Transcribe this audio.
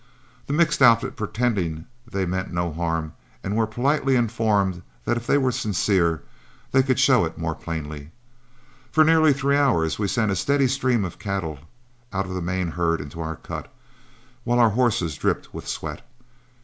The mixed outfit pretended they meant no harm, and were politely informed that if they were sincere, they could show it more plainly. For nearly three hours we sent a steady stream of cattle out of the main herd into our cut, while our horses dripped with sweat.